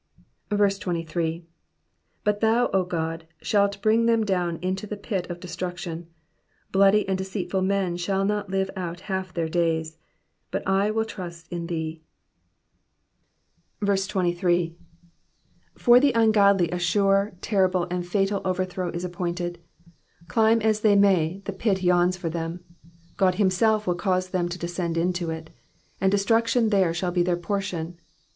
Digitized by VjOOQIC PSALM THE FIFTY FIFTH. 23 23 But thou, O God, shalt bring them down into the pit of destruction ; bloody and deceitful men shall not live out half their days : but I will trust in thee. 23. For the ungodly a sure, terrible, and fatal overthrow is appointed. Climb as they may, the pit yawns for them, God himself will cause them to descend into it, and destruction there shall be their portion.